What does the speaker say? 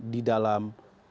di dalam dua ribu empat belas